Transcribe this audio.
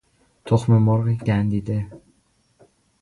تخممرغ گندیده